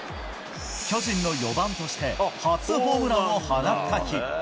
巨人の４番として、初ホームランを放った日。